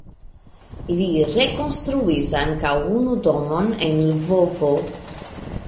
Li rekonstruis ankaŭ unu domon en Lvovo.